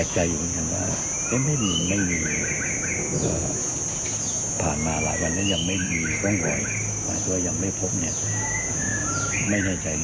จะไปอยู่ทั้งมุมไหน